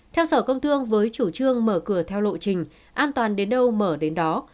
theo sở công thương với chủ trương mở cửa theo lộ trình an toàn đến đâu mở đến đó